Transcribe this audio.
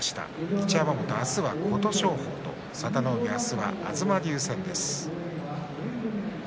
一山本は明日は琴勝峰と佐田の海、明日は東龍戦です。